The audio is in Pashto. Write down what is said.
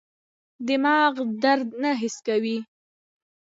دماغ درد نه حس کوي.